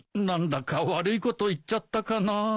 何だか悪いこと言っちゃったかな。